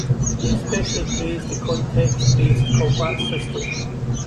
He especially praised the context-based combat system.